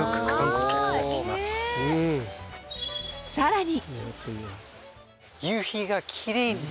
さらに。